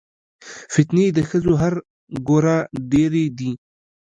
فتنې د ښځو هر ګوره ډېرې دي